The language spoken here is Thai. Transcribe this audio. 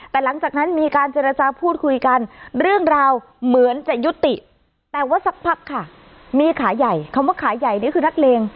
แต่หลังจากนั้นมีการเจรจาพูดคุยกันเรื่องราวเหมือนจะยุติแต่ว่าสักพักค่ะมีขาใหญ่คำว่าขาใหญ่นี่คือนักเลง